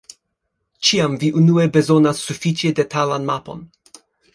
Ĉiam vi unue bezonas sufiĉe detalan mapon.